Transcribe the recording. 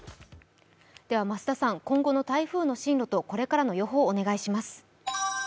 今後の台風の進路とこれからの予報をお願いします。